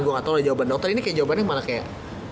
gue gak tau ada jawaban dokter ini kayak jawabannya malah kayak